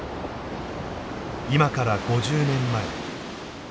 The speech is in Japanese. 今から５０年前。